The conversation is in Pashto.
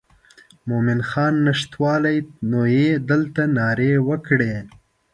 مومن خان نشتوالی نو یې دلته نارې وکړې.